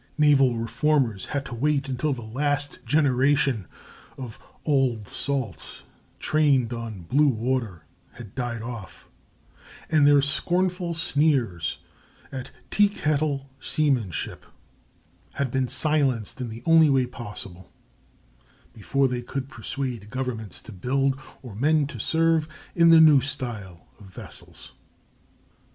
Naval reformers had to wait until the last generation of "old salts," trained on "blue water," had died off, and their scornful sneers at "tea kettle" seamanship had been silenced in the only way possible, before they could persuade governments to build or men to serve in the new style of vessels.